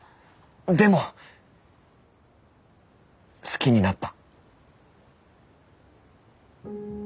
でも好きになった。